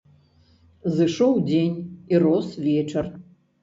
Зышоў дзень, і рос вечар.